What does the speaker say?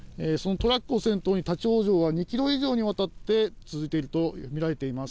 トラックを先頭に立往生は２キロ以上にわたって続くと見られています。